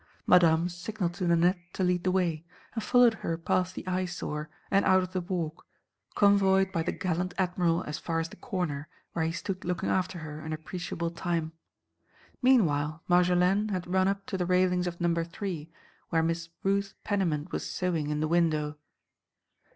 Madame signalled to Nanette to lead the way, and followed her past the Eyesore and out of the Walk, convoyed by the gallant Admiral as far as the corner, where he stood looking after her an appreciable time. Meanwhile Marjolaine had run up to the railings of Number Three where Miss Ruth Pennymint was sewing in the window.